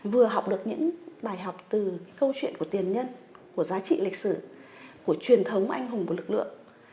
vừa học được những bài học từ câu chuyện của tiền nhân của giá trị lịch sử của truyền thống anh hùng của lực lượng